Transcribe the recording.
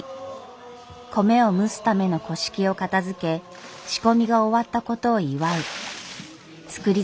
米を蒸すためのを片づけ仕込みが終わったことを祝う造り